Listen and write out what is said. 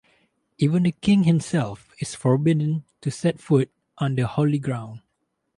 Even the king himself is forbidden to set foot on the holy ground.